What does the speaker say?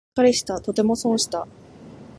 がっかりした、とても損した